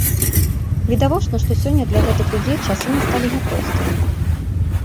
Відавочна, што сёння для гэтых людзей часы насталі няпростыя.